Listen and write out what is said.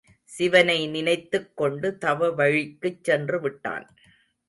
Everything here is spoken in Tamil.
சிவனை நினைத்துக் கொண்டு தவவழிக்குச் சென்று விட்டான்.